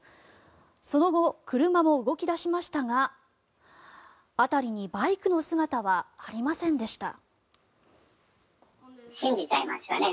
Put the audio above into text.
その後、車も動き出しましたが辺りにバイクの姿はありませんでした。